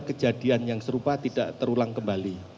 kejadian yang serupa tidak terulang kembali